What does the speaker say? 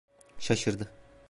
Şaşırdı...